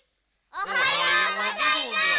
おはようございます！